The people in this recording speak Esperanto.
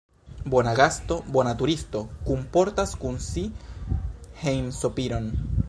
Bona gasto, bona turisto, kunportas kun si hejmsopiron.